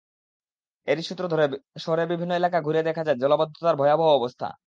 এরই সূত্র ধরে শহরের বিভিন্ন এলাকা ঘুরে দেখা যায় জলাবদ্ধতার ভয়াবহ অবস্থা।